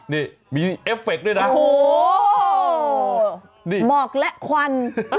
นี่มีเอฟเฟคด้วยนะโอ้โหนี่หมอกและควัน